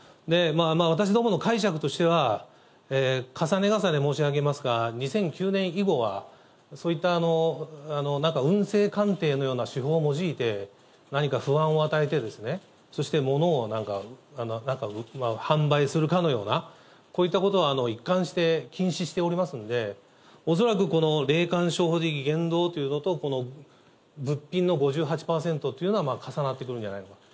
私どもの解釈としては、重ね重ね申し上げますが、２００９年以後は、そういった、なんか運勢鑑定のような手法を用いて、何か不安を与えて、そして物をなんか販売するかのような、こういったことは一貫して禁止しておりますので、恐らくこの霊感商法的言動というのとこの物品の５８％というのは重なってくるんではないかと。